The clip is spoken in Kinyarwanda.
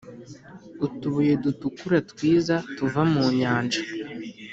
utubuye dutukura twiza tuva mu nyanja